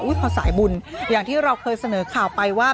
พอสายบุญอย่างที่เราเคยเสนอข่าวไปว่า